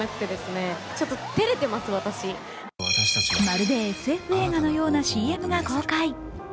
まるでＳＦ映画のようなＣＭが公開。